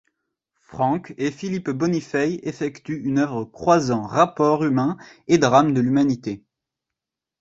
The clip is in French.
Frank et Philippe Bonifay effectuent une œuvre croisant rapports humains et drame de l'humanité.